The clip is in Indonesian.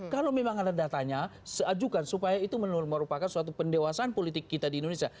kalau memang ada datanya seajukan supaya itu merupakan suatu pendewasaan politik kita di indonesia